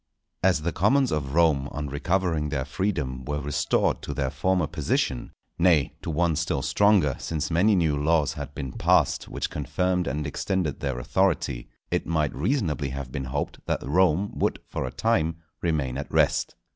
_ As the commons of Rome on recovering their freedom were restored to their former position—nay, to one still stronger since many new laws had been passed which confirmed and extended their authority,—it might reasonably have been hoped that Rome would for a time remain at rest.